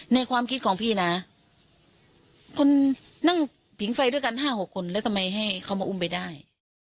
ในความคิดของพี่นะคนนั่งผิงไฟด้วยกัน๕๖คนแล้วทำไมให้เขามาอุ้มไปได้